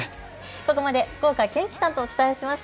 ここまで福岡堅樹さんとお伝えしました。